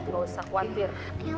gak usah khawatir